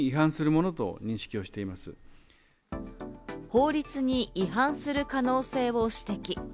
法律に違反する可能性を指摘。